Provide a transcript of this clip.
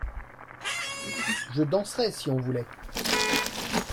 Je danserais, si on voulait.